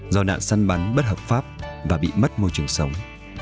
do nạn săn bắn bất hợp pháp và bị mất môi trường sống